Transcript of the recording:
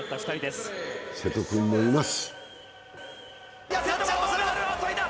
瀬戸君もいます。